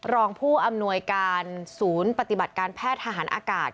รองผู้อำนวยการศูนย์ปฏิบัติการแพทย์ทหารอากาศ